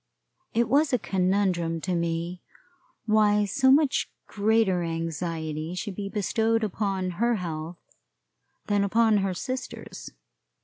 It was a conundrum to me why so much greater anxiety should be bestowed upon her health than upon her sister's.